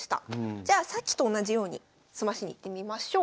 じゃあさっきと同じように詰ましにいってみましょう。